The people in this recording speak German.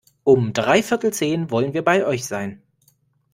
Um dreiviertel zehn wollen wir bei euch sein.